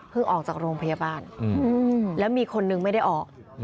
ออกจากโรงพยาบาลแล้วมีคนนึงไม่ได้ออก